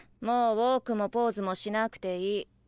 もうウオークもポーズもしなくていい。